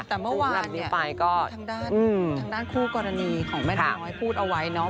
แต่เมื่อวานเนี่ยก็ทางด้านทางด้านคู่กรณีของแม่นกน้อยพูดเอาไว้เนาะ